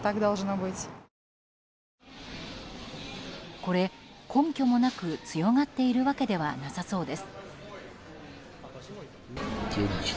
これ、根拠もなく強がっているわけではなさそうです。